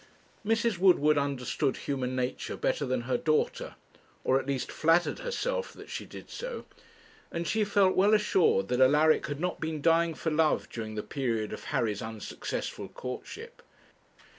Mrs. Woodward understood human nature better than her daughter, or, at least, flattered herself that she did so, and she felt well assured that Alaric had not been dying for love during the period of Harry's unsuccessful courtship.